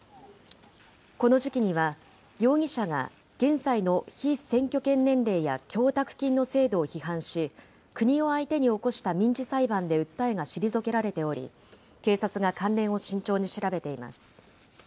この時期には、容疑者が現在の被選挙権年齢や供託金の制度を批判し、国を相手に起こした民事裁判で訴えが退けられており、警察が関連を慎重に調べています。